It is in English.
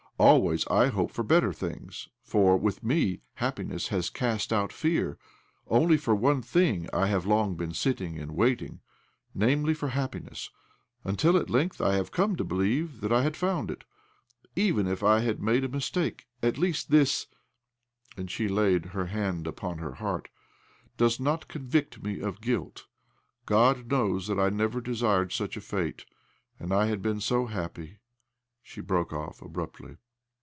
Always I hope for better things, for, with me, happiness has cast out fear. Only for one thing have I long been sitting and waiting — namely, for happiness ; until at length I had come to believe that I had found it. ... Even if I have made 192 OBLOMOV a mistake, at least this "— and she laid her hand upon her heart —" does not convict шѳ of guUt. God knowsl that I never desired such a fate I And I had been so happy !" She broke off abruptly.